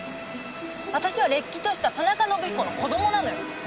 私はれっきとした田中伸彦の子供なのよ！